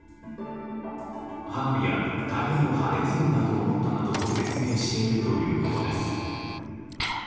花火やタイヤの破裂音だと思ったなどと説明しているということです。